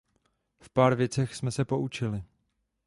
V pár věcech jsme se poučili.